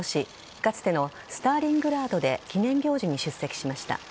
かつてのスターリングラードで記念行事に出席しました。